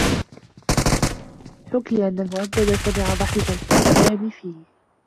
حُكِيَ أَنَّ الْمُؤَبَّذُ سَمِعَ ضَحِكَ الْخَدَّامِ فِي